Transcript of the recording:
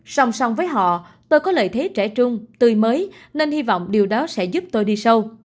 song song với họ tôi có lợi thế trẻ trung tươi mới nên hy vọng điều đó sẽ giúp tôi đi sâu